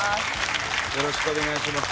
よろしくお願いします。